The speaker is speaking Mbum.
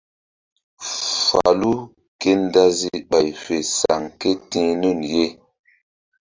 Falu ke ndazi ɓay fe saŋ ké ti̧h nun ye.